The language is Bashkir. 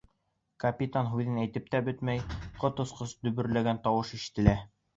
Капитан һүҙен әйтеп тә бөтөрмәй, ҡот осҡос дөбөрләгән тауыш ишетелә.